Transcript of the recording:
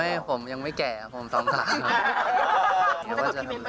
ไม่ผมยังไม่แก่อ่ะผมต้องสาม